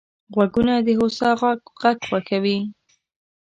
غوږونه د هوسا غږ خوښوي